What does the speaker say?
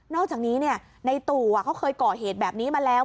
อกจากนี้ในตู่เขาเคยก่อเหตุแบบนี้มาแล้ว